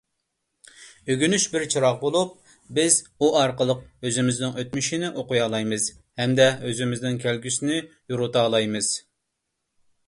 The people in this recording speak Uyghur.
ئۆگىنىش بىر چىراغ بولۇپ، بىز ئۇ ئارقىلىق ئۆزىمىزنىڭ ئۆتمۈشىنى ئوقۇيالايمىز، ھەمدە ئۆزىمىزنىڭ كەلگۈسىنى يورۇتالايمىز.